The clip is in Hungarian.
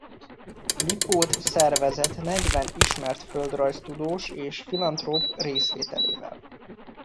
Lipót szervezett negyven ismert földrajztudós és filantróp részvételével.